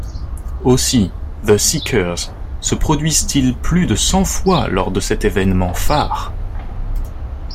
Aussi The Seekers se produisent-ils plus de cent fois lors de cet événement phare.